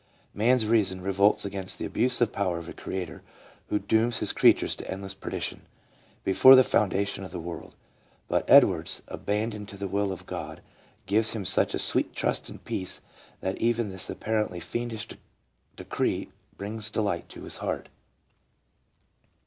Man's reason revolts against the abuse of power of a Creator who dooms his creatures to endless perdition, before the foundation of the world. But Edwards' "abandon" to the will of God gives him such a sweet trust and peace that even this apparently fiendish decree brings delight to his heart.